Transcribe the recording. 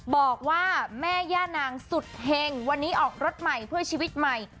บอกว่าแม่ย่านางสุดเฮงวันนี้ออกรถใหม่เพื่อชีวิตใหม่